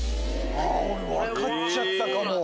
俺分かっちゃったかも。